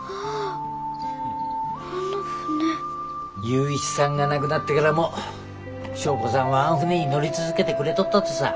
雄一さんが亡くなってからも祥子さんはあん船に乗り続けてくれとったとさ。